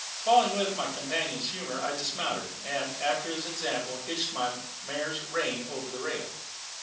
Falling in with my companion's humour, I dismounted, and, after his example, hitched my mare's rein over the rail.